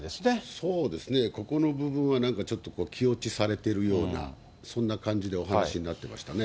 そうですね、ここの部分は、なんかちょっと気落ちされてるような、そんな感じでお話しになってましたね。